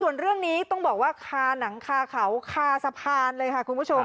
ส่วนเรื่องนี้ต้องบอกว่าคาหนังคาเขาคาสะพานเลยค่ะคุณผู้ชม